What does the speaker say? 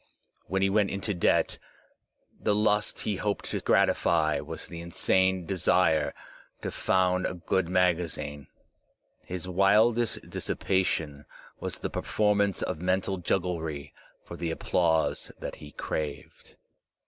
When he went into debt, the lust he hoped to gratify was the insane desire to found a good magazine. His wildest dissipation was the performance of mental jugglery for the applause that he craved.